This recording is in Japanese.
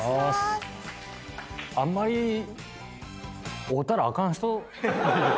あんまり会うたらあかん人？